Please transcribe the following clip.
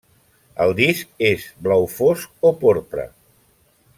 El disc és blau fosc o porpra.